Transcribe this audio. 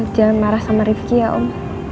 jangan marah sama rivki ya om